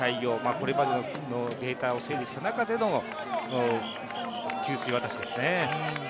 これまでのデータを整理した中での給水渡しですね。